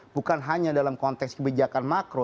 bukan hanya dalam konteks kebijakan makro